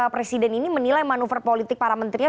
presiden ini menilai manuver politik para menterinya